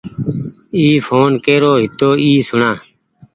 اي ڦوٽو ڪرو هيتو اي سوڻآ۔